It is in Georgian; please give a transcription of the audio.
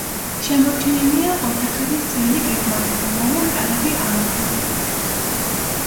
შემორჩენილია ოთახების ძველი გეგმარება მაგრამ კარები ამოქოლილია.